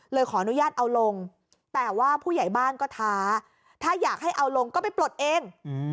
ขออนุญาตเอาลงแต่ว่าผู้ใหญ่บ้านก็ท้าถ้าอยากให้เอาลงก็ไปปลดเอง